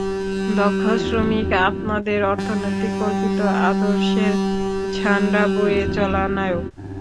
দক্ষ শ্রমিক, আপনাদের অর্থনৈতিক কল্পিত আদর্শের ঝান্ডা বয়ে চলা নায়ক!